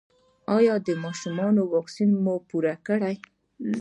ایا د ماشومانو واکسین مو پوره کړی؟